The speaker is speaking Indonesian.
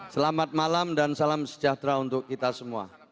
selamat malam dan salam sejahtera untuk kita semua